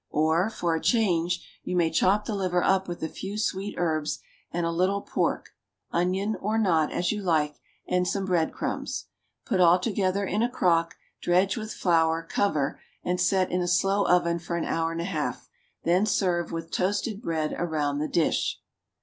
Or, for a change, you may chop the liver up with a few sweet herbs and a little pork (onion, or not, as you like), and some bread crumbs. Put all together in a crock, dredge with flour, cover, and set in a slow oven for an hour and a half; then serve, with toasted bread around the dish.